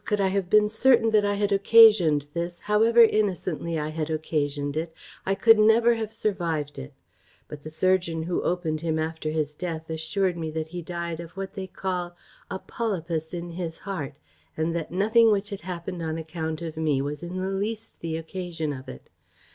could I have been certain that I had occasioned this, however innocently I had occasioned it, I could never have survived it; but the surgeon who opened him after his death assured me that he died of what they called a polypus in his heart, and that nothing which had happened on account of me was in the least the occasion of it.